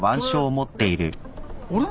あれ？